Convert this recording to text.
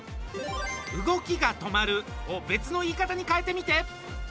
「動きが止まる」を別の言い方に変えてみて。